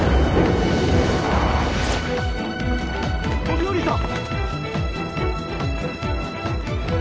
飛び降りた！